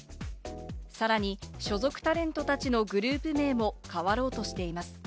さらに所属タレントたちのグループ名も変わろうとしています。